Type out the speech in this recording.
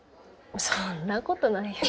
そんなことないよ。